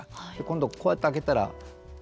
今度こうやって開けたら。